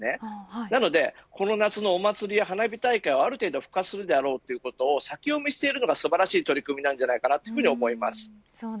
なので、この夏のお祭りや花火大会がある程度復活するということを先読みしているのが素晴らしい取り組みなんだと特に思います。